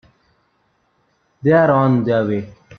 They're on their way.